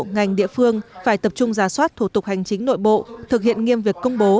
ngành địa phương phải tập trung giả soát thủ tục hành chính nội bộ thực hiện nghiêm việc công bố